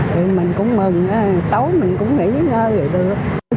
thì mình cũng mừng tối mình cũng nghỉ ngơi rồi được